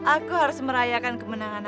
aku harus merayakan kemenangan